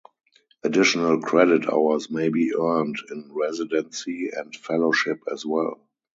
Additional credit hours may be earned in residency and fellowship as well.